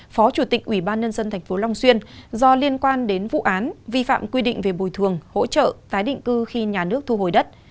phó chủ tịch ubnd tp long xuyên do liên quan đến vụ án vi phạm quy định về bồi thường hỗ trợ tái định cư khi nhà nước thu hồi đất